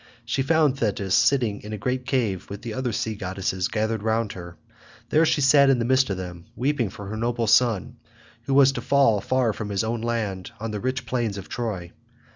She found Thetis sitting in a great cave with the other sea goddesses gathered round her; there she sat in the midst of them weeping for her noble son who was to fall far from his own land, on the rich plains of Troy.